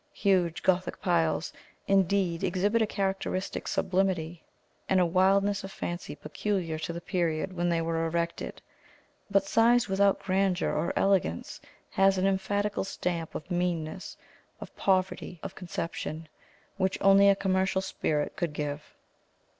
Huge Gothic piles, indeed, exhibit a characteristic sublimity, and a wildness of fancy peculiar to the period when they were erected; but size, without grandeur or elegance, has an emphatical stamp of meanness, of poverty of conception, which only a commercial spirit could give.